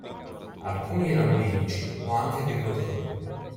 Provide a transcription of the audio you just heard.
Alcuni erano medici o anche agricoltori.